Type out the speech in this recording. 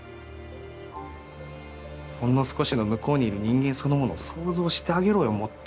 ほんの少しの向こうにいる人間そのものを想像してあげろよもっと。